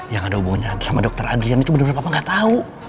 yang ada hubungannya sama dokter adrian itu bener bener papa gak tau